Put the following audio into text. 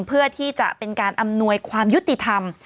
เพื่อที่จะเป็นการอำนวยความยุติธรรม